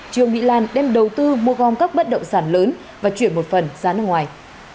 trương mỹ lan đem đầu tư mua gom các bất động sản lớn và chuyển một phần ra nước ngoài